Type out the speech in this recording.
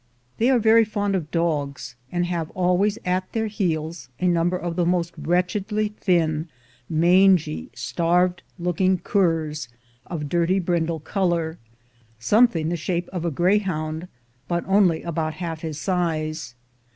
They are very fond of dogs, and have always at their heels a number of the most wretchedly thin, mangy, starved looking curs, of dirty brindle color, something the shape of a greyhound, but only about half his size.